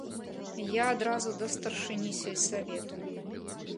Я адразу да старшыні сельсавету.